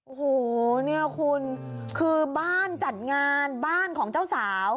โอ้โหเนี่ยคุณคือบ้านจัดงานบ้านของเจ้าสาว